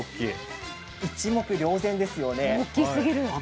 一目瞭然ですよね。